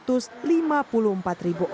sudah lalu dicolom dengan bangi